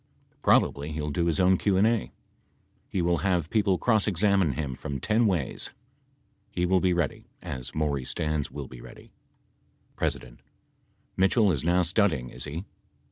Probably he will do his own Q and A. He will have people cross examine him from ten ways. He will be ready, as Maury Stans will be ready. P. Mitchell is now studying , is he.?